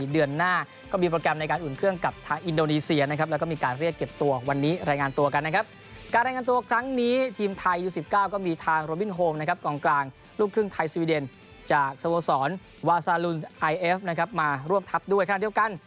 วาซาลุนไอเอฟนะครับมารวบทับด้วยขนาดเดียวกัน